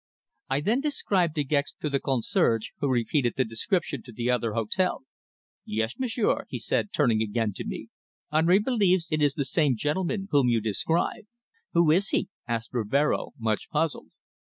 I then described De Gex to the concierge, who repeated the description to the other hotel. "Yes, m'sieur," he said, turning again to me. "Henri believes it is the same gentleman whom you describe." "Who is he?" asked Rivero, much puzzled.